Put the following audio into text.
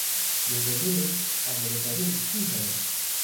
Lê belê, amadekariyên giştî jî hene.